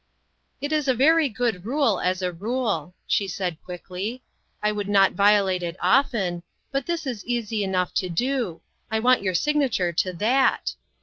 " It is a very good rule, as a rule," she said, quickly ;" I would not violate it often ; but this is easy enough to do ; I want your signature to that."